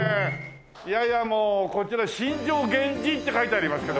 いやいやもうこちら「新城原人」って書いてありますけどもね。